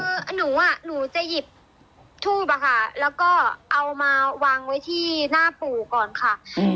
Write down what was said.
คือหนูอ่ะหนูจะหยิบทูบอะค่ะแล้วก็เอามาวางไว้ที่หน้าปู่ก่อนค่ะ